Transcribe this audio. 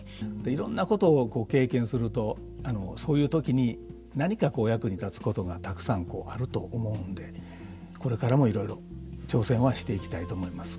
いろんなことを経験するとそういう時に何かこう役に立つことがたくさんあると思うんでこれからもいろいろ挑戦はしていきたいと思います。